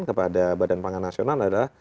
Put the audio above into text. kepada badan pangan nasional adalah